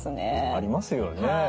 ありますよね。